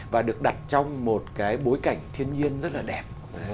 và được đặt trong một cái bối cảnh thiên nhiên rất là đẹp